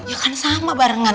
ya kan sama barengan